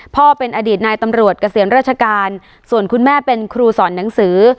เป็นอดีตนายตำรวจเกษียณราชการส่วนคุณแม่เป็นครูสอนหนังสือ